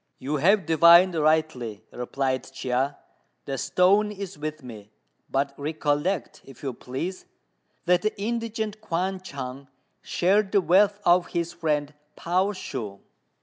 "You have divined rightly," replied Chia; "the stone is with me; but recollect, if you please, that the indigent Kuan Chung shared the wealth of his friend Pao Shu."